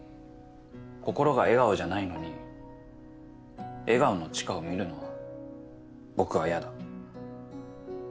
心が笑顔じゃないのに笑顔の知花を見るのは僕は嫌だ。